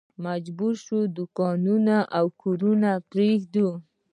مجبور شي دوکانونه او کورونه پرېږدي.